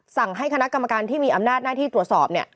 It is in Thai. สั่งให้คณะกรรมการที่มีอำนาจหน้าที่ตรวจสอบ